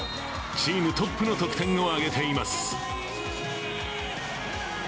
チームトップの得点を挙げています。